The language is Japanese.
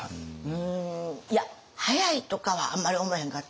うんいや早いとかはあんまり思わへんかったわ。